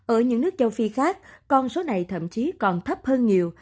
ở những nước châu phi khác con số này thậm chí còn thấp hơn nhiều